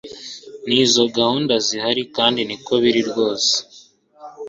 nizo gahunda zihari kandi niko biri rwose